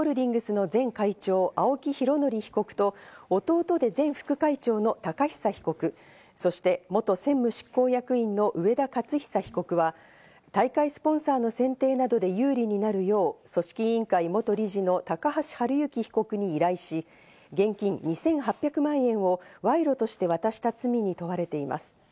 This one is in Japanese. ＡＯＫＩホールディングスの前会長・青木拡憲被告と、弟で前副会長の寶久被告、そして元専務執行役員の上田雄久被告は、大会スポンサーの選定などで有利になるよう組織委員会元理事の高橋治之被告に依頼し、現金２８００万円を賄賂として渡した罪に問われています。